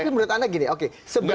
tapi menurut anda gini oke